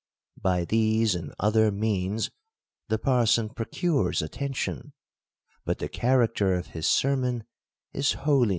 By these and other means the parson procures atten tion: but the character of his sermon is holiness.